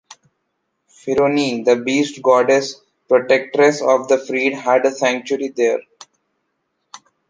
Féronie, the beast goddess, protectress of the freed, had a sanctuary there.